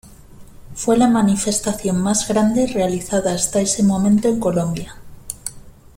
Fue la manifestación más grande realizada hasta ese momento en Colombia.